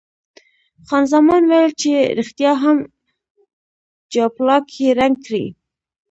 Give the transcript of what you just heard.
خان زمان ویل چې ریښتیا هم جاپلاک یې رنګ کړی.